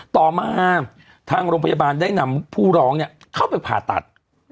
ต่อมาทางโรงพยาบาลได้นำผู้ร้องเข้าไปผ่าตัด